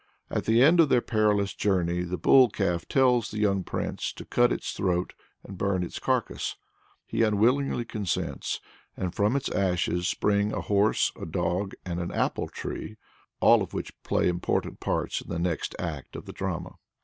At the end of their perilous journey the bull calf tells the young prince to cut its throat, and burn its carcase. He unwillingly consents, and from its ashes spring a horse, a dog, and an apple tree, all of which play important parts in the next act of the drama.